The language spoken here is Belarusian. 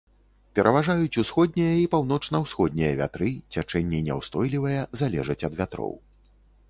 Пераважаюць усходнія і паўночна-ўсходнія вятры, цячэнні няўстойлівыя, залежаць ад вятроў.